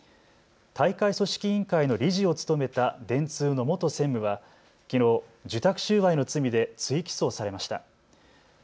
大会組織委員会の理事を務めた電通の元専務は、きのう受託収賄の罪で追起訴されました。